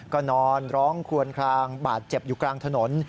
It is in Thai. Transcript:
ก็นอนร้องควนคลางบาดเจ็บอยู่กลางถนน